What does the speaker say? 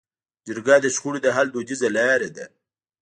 جرګه د شخړو د حل دودیزه لاره ده.